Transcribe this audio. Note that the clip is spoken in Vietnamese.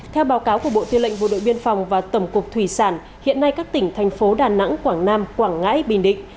theo báo cáo của bộ tư lệnh bộ đội biên phòng và tổng cục thủy sản hiện nay các tỉnh thành phố đà nẵng quảng nam quảng ngãi bình định